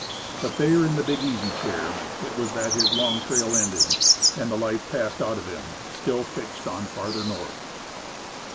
But there in the big easy chair it was that his Long Trail ended, and the life passed out of him still fixed on "farther north."